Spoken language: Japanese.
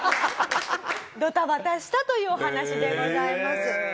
ドタバタしたというお話でございます。